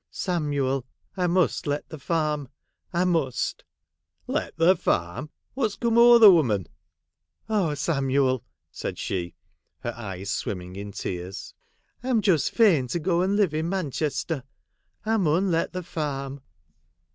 ' Samuel, I must let the farm — I must.' ' Let the farm ! What 's come o'er the woman 1 '' Oh, Samuel !' said she, her eyes swimming in tears, ' I 'm just fain to go and live in Manchester. I inun let the farm.'